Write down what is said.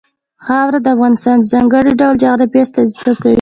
خاوره د افغانستان د ځانګړي ډول جغرافیه استازیتوب کوي.